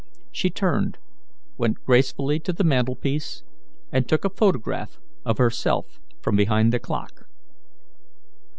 She turned, went gracefully to the mantelpiece, and took a photograph of herself from behind the clock.